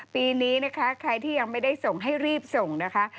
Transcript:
ปีนี้นะคะใครที่ยังไม่ได้ส่งให้รีบส่งนะคะ